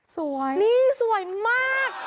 สวยนี่สวยมาก